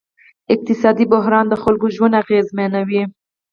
اقتصادي بحران د خلکو ژوند اغېزمنوي.